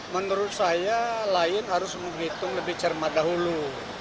menurut saya lion harus menghitung lebih cermat dahulu